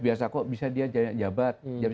biasa kok bisa dia jabat jadi